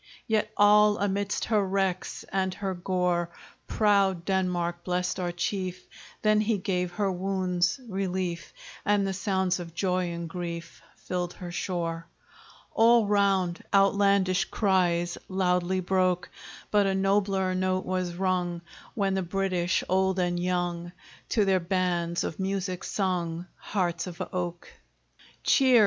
Yet all amidst her wrecks, And her gore, Proud Denmark blest our chief That he gave her wounds relief; And the sounds of joy and grief Filled her shore. All round, outlandish cries Loudly broke; But a nobler note was rung, When the British, old and young. To their bands of music sung 'Hearts of Oak!' Cheer!